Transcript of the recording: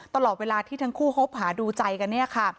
ตลอดเวลาที่ทั้งคู่คบหาดูใจกันเนี่ยค่ะ